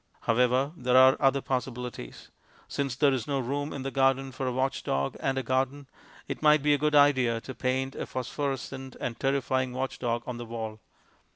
However, there are other possibilities. Since there is no room in the garden for a watchdog and a garden, it might be a good idea to paint a phosphorescent and terrifying watchdog on the wall.